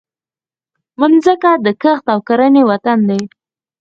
مځکه د کښت او کرنې وطن دی.